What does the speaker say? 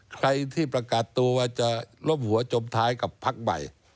ใครที่ประกาศตัวว่าจะล้มหัวจมท้ายกับพักใหม่